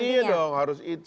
iya dong harus itu